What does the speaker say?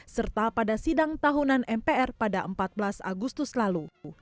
serta pada sidang tahunan mpr pada empat belas agustus lalu